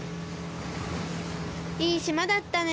いいしまだったね。